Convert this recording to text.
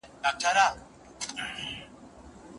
په ایرو کي ګوتي مه وهه اور به پکښې وي.